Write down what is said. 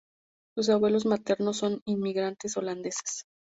Sus abuelos maternos son inmigrantes holandeses.